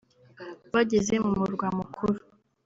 bageze mu murwa mukuru